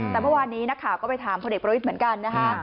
แต่เมื่อวานนี้นักข่าวก็ไปถามพลเอกประวิทย์เหมือนกันนะคะ